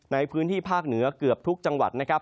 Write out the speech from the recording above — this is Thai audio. ในพื้นที่ภาคเหนือเกือบทุกจังหวัดนะครับ